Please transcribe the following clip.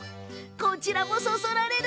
こちらもそそられる。